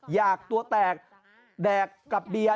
อยากตัวแตกแดกกับเบียร์